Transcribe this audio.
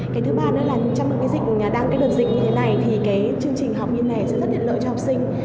cái thứ ba nữa là trong những cái dịch đang cái đợt dịch như thế này thì cái chương trình học như này sẽ rất tiện lợi cho học sinh